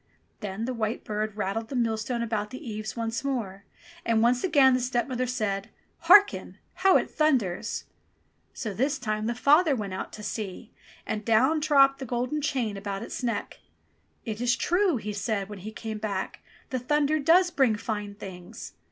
Then the white bird rattled the millstone about the eaves once more, and once again the stepmother said, " Harken ! How it thunders !" So this time the father went out to see, and down dropped the golden chain about his neck. "It is true," he said when he came back. ''The thunder does bring fine things